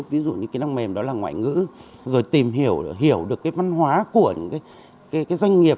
ví dụ như kỹ năng mềm đó là ngoại ngữ rồi tìm hiểu được cái văn hóa của những doanh nghiệp